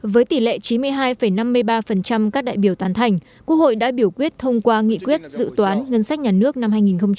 với tỷ lệ chín mươi hai năm mươi ba các đại biểu tán thành quốc hội đã biểu quyết thông qua nghị quyết dự toán ngân sách nhà nước năm hai nghìn hai mươi